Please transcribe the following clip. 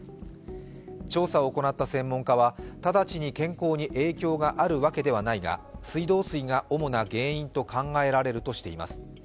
調査を行った専門家は、直ちに健康に影響があるわけではないが、水道水が主な原因と考えられるとしています。